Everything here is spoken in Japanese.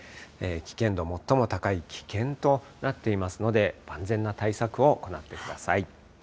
危険度最も高い、危険となっていますので、万全な対策を行ってください。